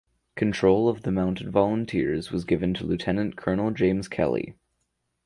Control of the Mounted Volunteers was given to Lieutenant Colonel James Kelly.